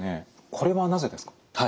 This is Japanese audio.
これはなぜですか？